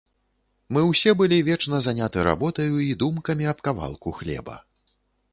Мы ўсе былі вечна заняты работаю і думкамі аб кавалку хлеба.